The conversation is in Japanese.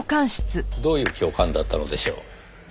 どういう教官だったのでしょう？